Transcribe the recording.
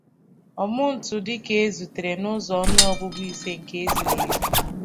Ọmụ̀ntụdị kezutere na uzo onu ogugu ise nke ezughi ezu.